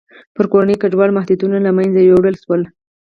پر کورنۍ کډوالۍ محدودیتونه له منځه یووړل شول.